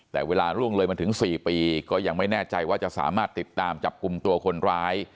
แต่เวลาล่วงเลยมาถึง๔ปีก็ยังไม่แน่ใจว่าจะสามารถติดตามจับกลุ่มตัวคนร้าย